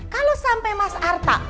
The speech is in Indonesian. kalau sampai mas arta